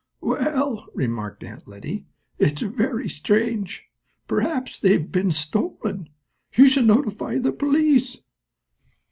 "Well," remarked Aunt Lettie, "it's very strange. Perhaps they have been stolen. You should notify the police."